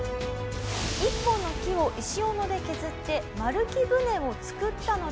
一本の木を石斧で削って丸木舟を作ったのでは？